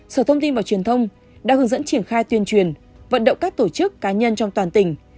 sở thông tin và truyền thông đã hướng dẫn triển khai tuyên truyền vận động các tổ chức cá nhân trong toàn tỉnh